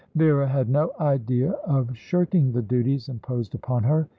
Vera had no idea of shirking the duties imposed upon her.